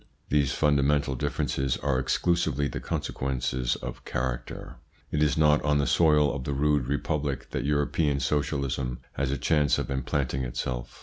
These fundamental differences are exclusively the consequences of character. It is not on the soil of the rude Republic that European Socialism has a chance of implanting itself.